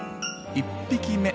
１匹目。